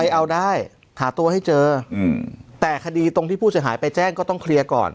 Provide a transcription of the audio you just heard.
เอาได้หาตัวให้เจอแต่คดีตรงที่ผู้เสียหายไปแจ้งก็ต้องเคลียร์ก่อน